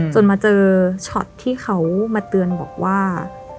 มาเจอช็อตที่เขามาเตือนบอกว่า